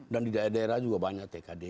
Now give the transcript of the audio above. dan di daerah daerah juga banyak tkd